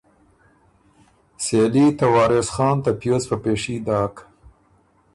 سېلي ته وارث خان ته پیوز په پېشي داک۔